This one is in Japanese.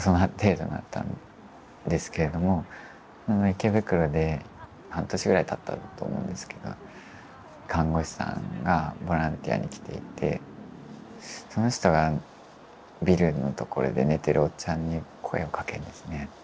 池袋で半年ぐらいたったと思うんですけど看護師さんがボランティアに来ていてその人がビルの所で寝てるおっちゃんに声をかけるんですね。